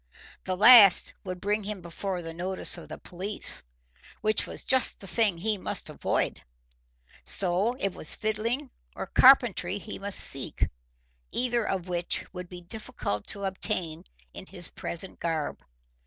The last would bring him before the notice of the police, which was just the thing he must avoid; so it was fiddling or carpentry he must seek, either of which would be difficult to obtain in his present garb.